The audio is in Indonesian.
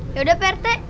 ya udah pertek